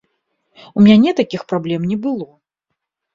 У мяне такіх праблем не было!